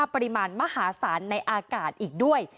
ปริมาณมหาศาลในอากาศอีกด้วย